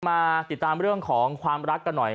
มาติดตามเรื่องของความรักกันหน่อย